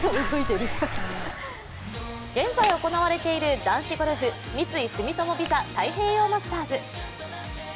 現在行われている男子ゴルフ三井住友ＶＩＳＡ太平洋マスターズ。